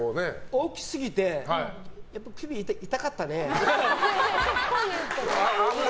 大きすぎてやっぱり首痛かったね。